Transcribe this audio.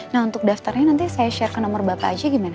nah untuk daftarnya nanti saya share ke nomor bapak aja gimana